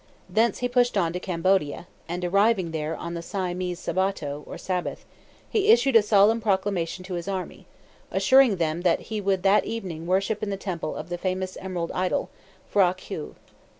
Thence he pushed on to Cambodia, and arriving there on the Siamese Sabâto, or Sabbath, he issued a solemn proclamation to his army, assuring them that he would that evening worship in the temple of the famous emerald idol, P'hra Këau.